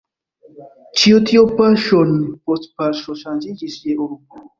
Ĉio tio paŝon post paŝo ŝanĝiĝis je urbo.